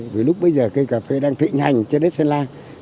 vì lúc bây giờ cây cà phê đang thịnh hành trên đất sơn la